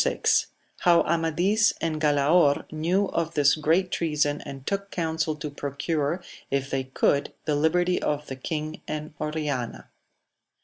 — How Amadis and Gblaor knew of this great treason and took counsel to procure, if they could, thehbertj of the King and Oriana.